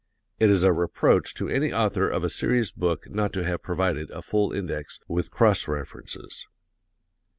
(It is a reproach to any author of a serious book not to have provided a full index, with cross references.)